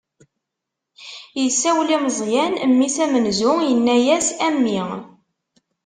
Isawel i Meẓyan, mmi-s amenzu, inna-yas: A mmi!